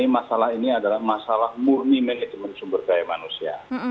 masalah ini adalah masalah murni manajemen sumber daya manusia